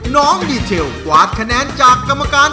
น้องดีเทลกวาดคะแนนจากกรรมการ